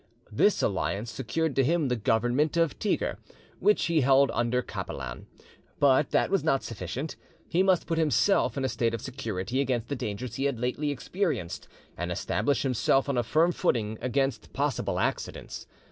This alliance secured to him the government of Tigre, which he held under Capelan. But that was not sufficient. He must put himself in a state of security against the dangers he had lately, experienced, and establish himself on a firm footing' against possible accidents.